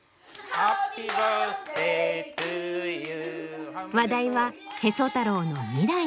「ハッピーバースデイトゥユー」話題は「へそ太郎」の未来に。